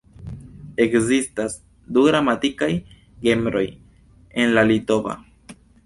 Ekzistas du gramatikaj genroj en la litova.